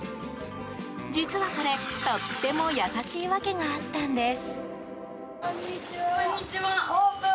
実はこれ、とっても優しいわけがあったんです。